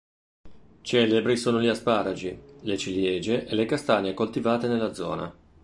Celebri sono gli asparagi, le ciliegie e le castagne coltivate nella zona.